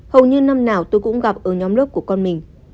hầu như năm nào tôi cũng gặp ở nhóm lớp của con mình